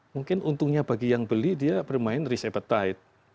mungkin untungnya bagi yang beli dia bermain risk appetite